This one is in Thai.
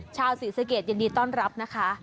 ชาวศรีสะเกดยินดีต้อนรับนะคะ